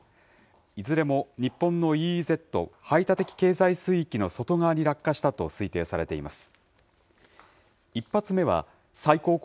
いずれも日本のＥＥＺ・排他的経済水域の外側に落下したと推定されています。